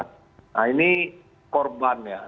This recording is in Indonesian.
nah ini korbannya